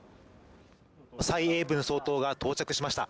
蔡英文総統が到着しました。